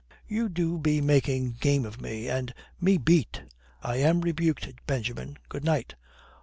"You do be making game of me, and me beat." "I am rebuked, Benjamin. Good night."